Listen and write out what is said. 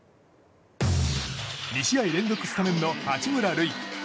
２試合連続スタメンの八村塁。